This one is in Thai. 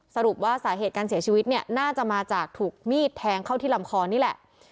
สรุปว่าสาเหตุการเสียชีวิตเนี่ยน่าจะมาจากถูกมีดแทงเข้าที่ลำคอนี่แหละ